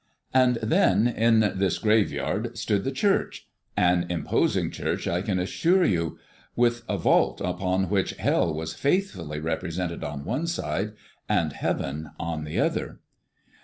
And then in this graveyard stood the church, an imposing church, I can assure you, with a vault upon which hell was faithfully represented on one side and heaven on the other.